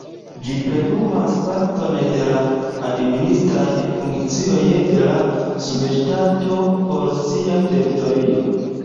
Ĝi plenumas parton de la administraj funkcioj de la subŝtato por sia teritorio.